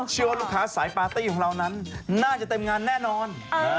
เชื่อว่าลูกค้าสายปาร์ตี้ของเรานั้นน่าจะเต็มงานแน่นอน